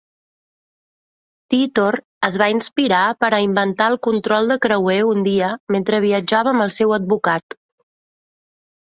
Teetor es va inspirar per a inventar el control de creuer un dia mentre viatjava amb el seu advocat.